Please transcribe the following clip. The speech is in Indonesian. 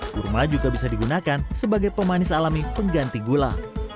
kurma juga bisa digunakan sebagai pemanis alami pengganti gula